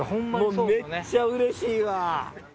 めっちゃうれしいわ！